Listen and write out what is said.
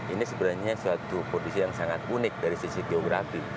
ini sebenarnya suatu kondisi yang sangat unik dari sisi geografi